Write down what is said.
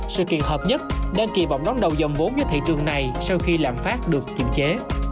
sự kiện hợp nhất đang kỳ vọng đóng đầu dòng vốn cho thị trường này sau khi lãng phát được kiểm chế